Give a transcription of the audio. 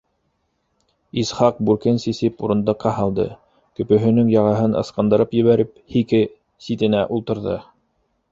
Исхаҡ бүркен сисеп урындыҡҡа һалды, көпөһөнөң яғаһын ысҡындырып ебәреп, һике ситенә ултырҙы.